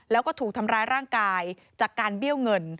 แล้วก็ถูกทำร้ายร่างกายจากการเบี้ยวเงิน